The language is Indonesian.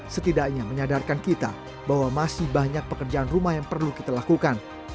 setidaknya menyadarkan kita bahwa masih banyak pekerjaan rumah yang perlu kita lakukan